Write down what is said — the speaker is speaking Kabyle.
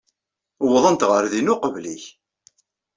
Uwḍent ɣer din uqbel-ik.